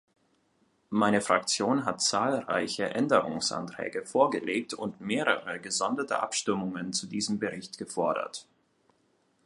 Meine Fraktion hat zahlreiche Änderungsanträge vorgelegt und mehrere gesonderte Abstimmungen zu diesem Bericht gefordert.